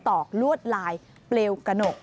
อกลวดลายเปลวกระหนก